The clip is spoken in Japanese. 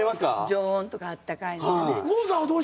常温とかあったかいのをね。